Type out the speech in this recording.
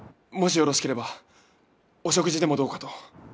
もしよろしければお食事でもどうかと。